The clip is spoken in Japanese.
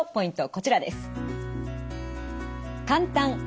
こちらです。